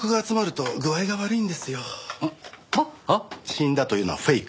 死んだというのはフェイク。